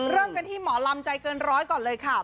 เริ่มกันที่หมอลำใจเกินร้อยก่อนเลยค่ะ